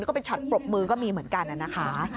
แล้วก็เป็นช็อตปรบมือก็มีเหมือนกันนะคะ